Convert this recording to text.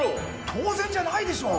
当然じゃないでしょう！